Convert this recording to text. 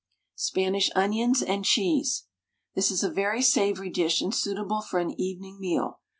SPANISH ONIONS AND CHEESE. This is a very savoury dish and suitable for an evening meal.